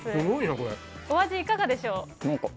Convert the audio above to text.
お味いかがでしょう。